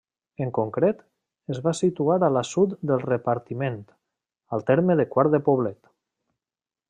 En concret, es va situar a l'assut del Repartiment, al terme de Quart de Poblet.